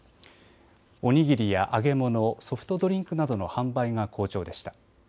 お握りや揚げ物、ソフトドリンクなどの販売が好調でした。